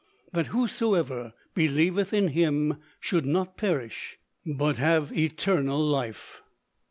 "That whosoever believeth in Him should not perish but have eternal life."